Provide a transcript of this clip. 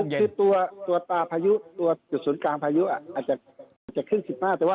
คือตัวตาพายุตัวจุดศูนย์กลางพายุอาจจะขึ้น๑๕แต่ว่า